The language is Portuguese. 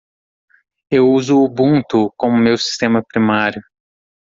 Eu uso Ubuntu como meu sistema primário.